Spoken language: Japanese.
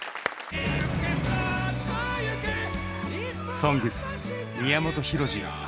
「ＳＯＮＧＳ」宮本浩次